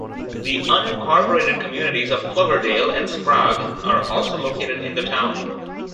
The unincorporated communities of Cloverdale and Sprague are also located in the town.